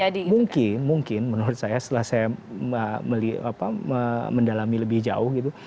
ya mungkin mungkin menurut saya setelah saya mendalami lebih jauh gitu